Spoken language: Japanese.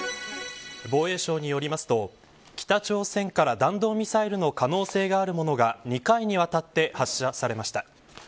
防衛省によりますと北朝鮮から弾道ミサイルの可能性があるものが２回にわたって発射されました。